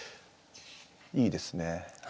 いいですね。